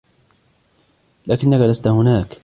لكنك لست هناك.